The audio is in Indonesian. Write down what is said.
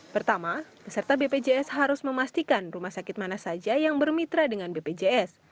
pertama peserta bpjs harus memastikan rumah sakit mana saja yang bermitra dengan bpjs